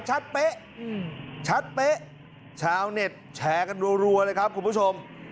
เป๊ะชัดเป๊ะชาวเน็ตแชร์กันรัวเลยครับคุณผู้ชม